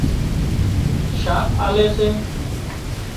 شاک آلي سي